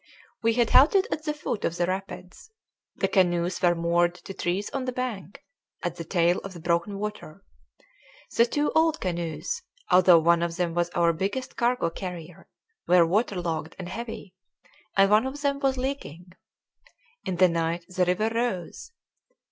We had halted at the foot of the rapids. The canoes were moored to trees on the bank, at the tail of the broken water. The two old canoes, although one of them was our biggest cargo carrier, were water logged and heavy, and one of them was leaking. In the night the river rose.